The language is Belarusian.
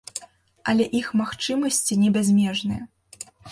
Але іх магчымасці не бязмежныя.